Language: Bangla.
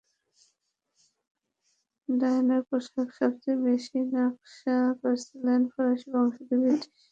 ডায়ানার পোশাক সবচেয়ে বেশি নকশা করেছেন ফরাসি বংশোদ্ভূত ব্রিটিশ ডিজাইনার ক্যাথেরিন ওয়াকার।